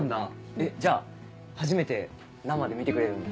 えっじゃあ初めて生で見てくれるんだ。